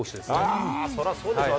ああ、そりゃそうでしょう。